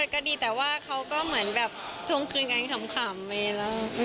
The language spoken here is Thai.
ก็ดีแต่ว่าเขาก็เหมือนแบบทวงคืนกันขำไปแล้ว